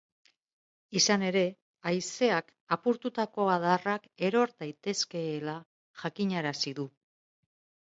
Izan ere, haizeak apurtutako adarrak eror daitezkeela jakinarazi du.